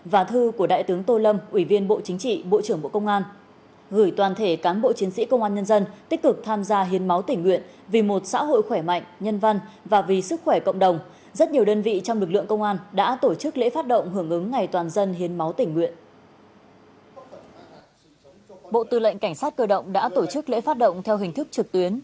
bộ tư lệnh cảnh sát cơ động đã tổ chức lễ phát động theo hình thức trực tuyến